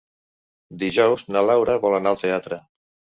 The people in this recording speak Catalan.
Dijous na Laura vol anar al teatre.